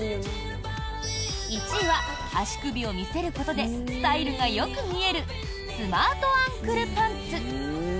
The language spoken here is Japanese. １位は、足首を見せることでスタイルがよく見えるスマートアンクルパンツ。